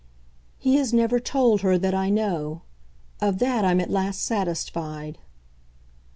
"He has never told her that I know. Of that I'm at last satisfied."